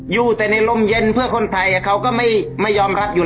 อยู่แต่ในลมเย็นเพื่อคนไทยเขาก็ไม่ยอมรับอยู่